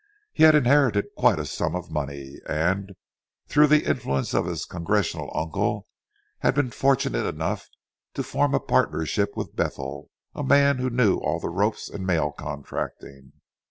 He had inherited quite a sum of money, and, through the influence of his congressional uncle, had been fortunate enough to form a partnership with Bethel, a man who knew all the ropes in mail contracting.